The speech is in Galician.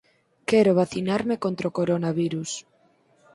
Quero vacinarme contra o coronavirus.